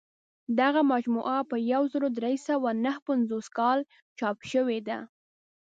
دغه مجموعه په یو زر درې سوه نهه پنځوس کال چاپ شوې ده.